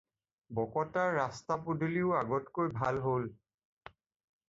বকতাৰ ৰাস্তা-পদূলিও আগতকৈ ভাল হ'ল।